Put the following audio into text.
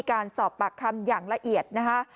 กลุ่มตัวเชียงใหม่